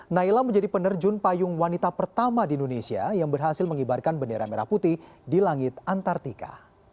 naila menjadi penerjun payung wanita pertama di indonesia yang berhasil mengibarkan bendera merah putih di langit antartika